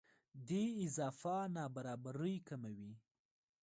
دې اضافه نابرابرۍ کموي.